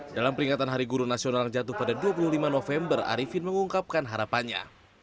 dalam peringatan hari guru nasional yang jatuh pada dua puluh lima november arifin mengungkapkan harapannya